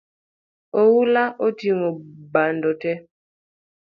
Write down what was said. Oula oting’o bando tee